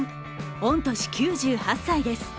御年９８歳です。